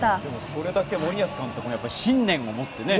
それだけ森保監督も信念を持ってね。